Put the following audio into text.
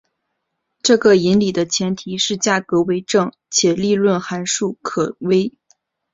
这个引理的前提是价格为正且利润函数可微。